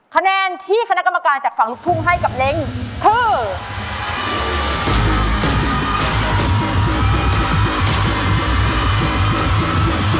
คะแนนที่คณะกรรมการจากฝั่งลูกทุ่งให้กับเล้งคือ